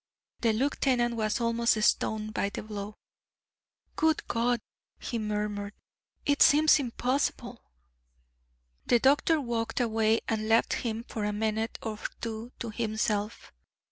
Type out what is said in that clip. The lieutenant was almost stunned by the blow. "Good God!" he murmured. "It seems impossible." The doctor walked away and left him for a minute or two to himself.